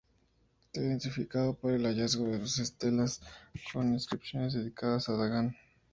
Se ha identificado por el hallazgo de dos estelas con inscripciones dedicadas a Dagan.